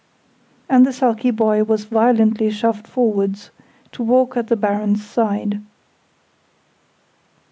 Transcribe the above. And the sulky boy was violently shoved forwards, to walk at the Baron's side.